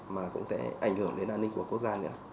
mà cũng sẽ ảnh hưởng đến an ninh của quốc gia nữa